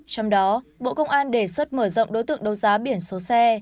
trong đó bộ công an đề xuất mở rộng đối tượng đấu giá biển số xe